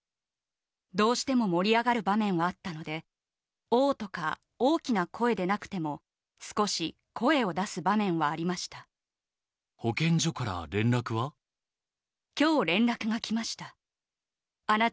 どうしても盛り上がる場面はあったので、おーとか大きな声でなくても、少し声を出す場面はありました。